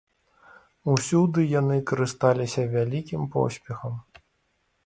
Усюды яны карысталіся вялікім поспехам.